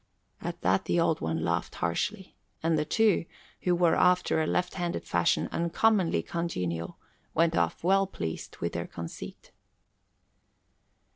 At that the Old One laughed harshly, and the two, who were after a left handed fashion uncommonly congenial, went off well pleased with their conceit.